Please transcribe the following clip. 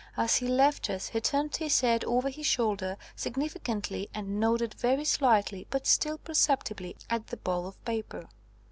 As he left us, he turned his head over his shoulder significantly and nodded very slightly, but still perceptibly, at the ball of paper.